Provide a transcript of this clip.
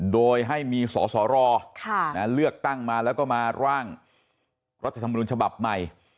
โดยให้มีสสรเลือกตั้งมาแล้วก็มาร่างรัฐธรรมนุนฉบับใหม่